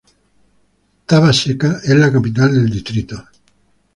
Thaba-Tseka es la capital del distrito.